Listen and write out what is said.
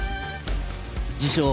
自称